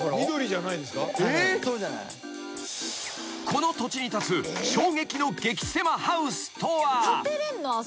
［この土地に立つ衝撃の激せまハウスとは］